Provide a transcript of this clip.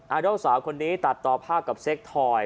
ดอลสาวคนนี้ตัดต่อภาพกับเซ็กทอย